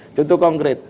itu untuk konkret